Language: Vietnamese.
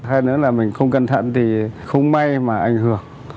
hay nữa là mình không cân thận thì không may mà ảnh hưởng